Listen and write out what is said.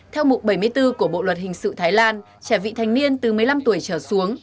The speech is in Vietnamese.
theo mục bảy mươi bốn của bộ luật hình sự thái lan trẻ vị thành niên từ một mươi năm tuổi trở xuống